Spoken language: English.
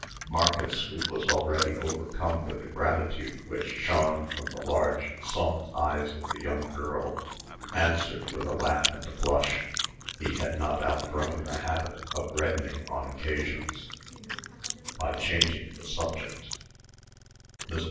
Marcus, who was already overcome with the gratitude which shone from the large, soft eyes of the young girl, answered, with a laugh and a blush (he had not outgrown the habit of reddening on occasions): "By changing the subject." Mr.